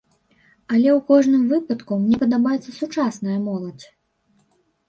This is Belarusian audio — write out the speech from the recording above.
Але ў кожным выпадку, мне падабаецца сучасная моладзь.